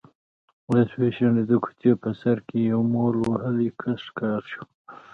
آس وشڼېد، د کوڅې په سر کې يو مول وهلی کس ښکاره شو.